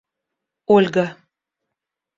Ольга